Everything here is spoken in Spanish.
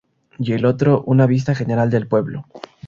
Y el otro una vista general del pueblo.